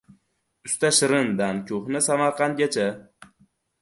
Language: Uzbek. «Usta Shirin»dan ko‘hna Samarqandgacha